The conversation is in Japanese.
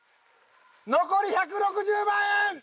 残り１６０万円！